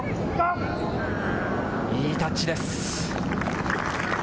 いいタッチです。